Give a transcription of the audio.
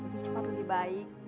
lebih cepat lebih baik